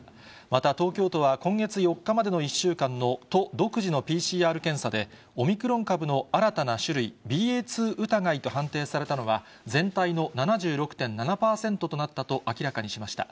また、東京都は今月４日までの１週間の都独自のＰＣＲ検査で、オミクロン株の新たな種類、ＢＡ．２疑いと判定されたのは、全体の７６．７％となったと明らかにしました。